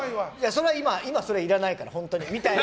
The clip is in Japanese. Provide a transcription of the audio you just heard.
今、それはいらないから本当にみたいな。